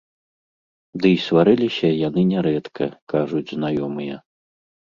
Ды і сварыліся яны нярэдка, кажуць знаёмыя.